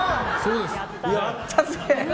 やったぜ！